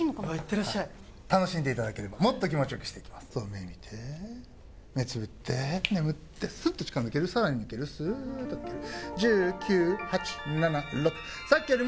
てらっしゃい楽しんでいただければもっと気持ちよくしていきますそう目見て目つぶって眠ってスッと力が抜けるさらに抜けるスーッと抜ける１０９８７６５４３２１０